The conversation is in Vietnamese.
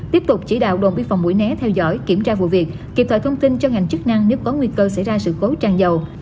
tiếp tục chỉ đạo đồn biên phòng mũi né theo dõi kiểm tra vụ việc kịp thời thông tin cho ngành chức năng nếu có nguy cơ xảy ra sự cố tràn dầu